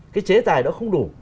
cái chế tài đó không đủ